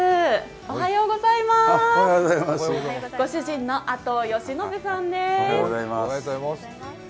ご主人の阿藤吉信さんです。